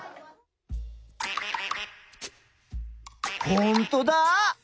ほんとだ！